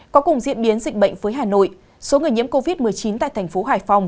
có cùng diễn biến dịch bệnh với hà nội số người nhiễm covid một mươi chín tại thành phố hải phòng